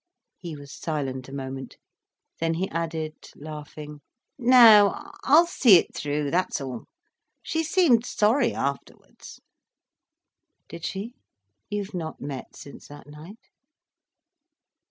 He was silent a moment, then he added, laughing. "No, I'll see it through, that's all. She seemed sorry afterwards." "Did she? You've not met since that night?"